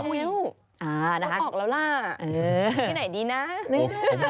มิ้วน้องออกแล้วล่ะที่ไหนดีนะ